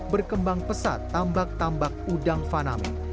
berkembang pesat tambak tambak udang faname